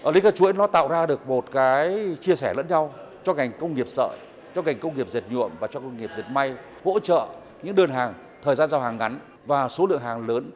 linh kết chuỗi tạo ra được một chia sẻ lẫn nhau cho ngành công nghiệp sợi dệt nhuộm dệt may hỗ trợ đơn hàng thời gian giao hàng ngắn và số lượng hàng lớn